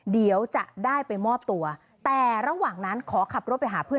เดี๋ยวจะได้ไปมอบตัวแต่ระหว่างนั้นขอขับรถไปหาเพื่อน